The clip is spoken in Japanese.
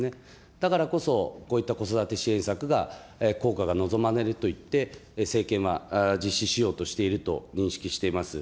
だからこそ、こういった子育て支援策が効果が望まれるといって、政権は実施しようとしていると認識しています。